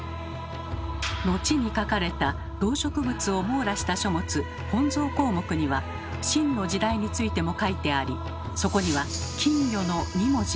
後に書かれた動植物を網羅した書物「本草綱目」には晋の時代についても書いてありそこには「金魚」の２文字が。